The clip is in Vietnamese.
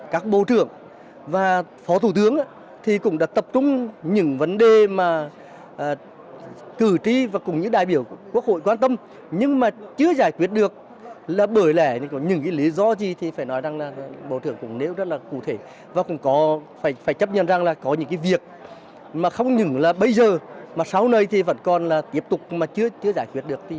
các bộ trưởng và phó thủ tướng cũng đã tập trung những vấn đề mà cử tri và cùng những đại biểu quốc hội quan tâm nhưng mà chưa giải quyết được là bởi lẽ những lý do gì thì phải nói rằng là bộ trưởng cũng nếu rất là cụ thể và cũng phải chấp nhận rằng là có những việc mà không những là bây giờ mà sau này thì vẫn còn là tiếp tục mà chưa giải quyết được